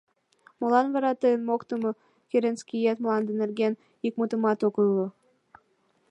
Молан вара тыйын моктымо Керенскиет мланде нерген ик мутымат ок ойло?